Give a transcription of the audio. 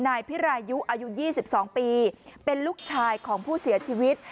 นายพิรายุอายุ๒๒ปีเป็นลูกชายของผู้เสียชีวิต